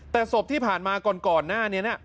แต่ศพที่ผ่านมาก่อนหน้านี้นะ